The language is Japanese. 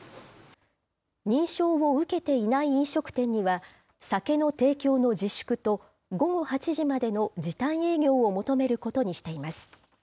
認証を受けていない飲食店には、酒の提供の自粛と午後８時までの時短営業を求めることにしています。